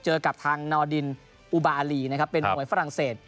เจอกับทางนอดินอุบาอารีนะครับเป็นมวยฝรั่งเศส